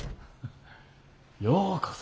ようこそ。